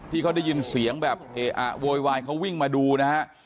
ที่เขาได้ยินเสียงแบบเออะโวยวายเขาวิ่งมาดูนะฮะ